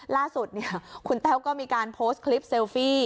ล่าสุดคุณแต้วก็มีการโพสต์คลิปเซลฟี่